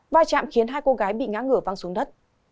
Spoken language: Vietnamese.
va chạm khiến hai cô gái bị ngã ngửa văng xuống đất